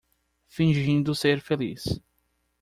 Fingindo ser feliz